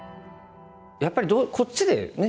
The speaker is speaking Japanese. やっぱりこっちでね